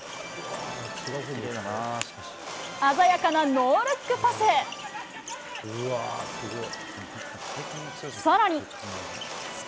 鮮やかなノールックパス。